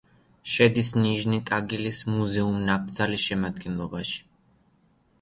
შედის ნიჟნი-ტაგილის მუზეუმ-ნაკრძალის შემადგენლობაში.